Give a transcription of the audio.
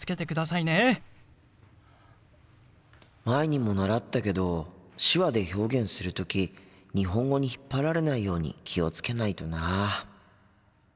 前にも習ったけど手話で表現する時日本語に引っ張られないように気を付けないとな。